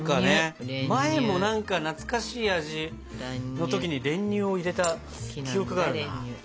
前も何か懐かしい味の時に練乳を入れた記憶があるな。